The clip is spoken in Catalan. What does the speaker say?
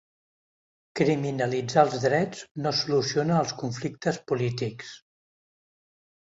Criminalitzar els drets no soluciona els conflictes polítics.